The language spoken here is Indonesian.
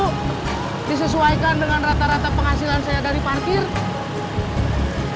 harus disesuaikan dengan rata rata penghasilan saya dari parking